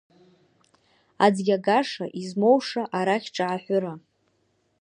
Аӡ иагаша, измоуша арахь ҿааҳәыра!